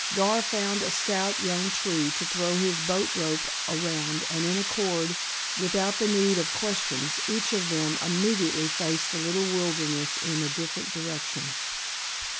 Gar found a stout young tree to throw his boat rope around and in accord, without the need of questions, each of them immediately faced the little wilderness in a different direction.